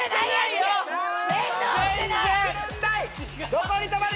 どこに止まる？